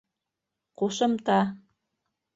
Ҡушымта: